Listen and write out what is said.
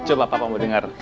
coba pak kamu dengar